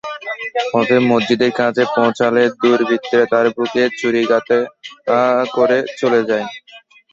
পথে মসজিদের কাছে পৌঁছালে দুর্বৃত্তরা তাঁর বুকে ছুরিকাঘাত করে চলে যায়।